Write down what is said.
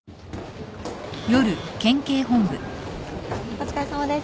お疲れさまです。